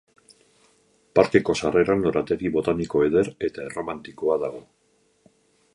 Parkeko sarreran lorategi botaniko eder eta erromantikoa dago.